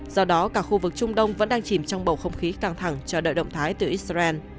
do đó cả khu vực trung đông vẫn đang chìm trong bầu không khí căng thẳng chờ đợi động thái từ israel